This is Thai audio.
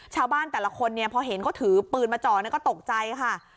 ชาวบ้านแต่ละคนเนี่ยพอเห็นเขาถือปืนมาจ่อก็ตกใจค่ะ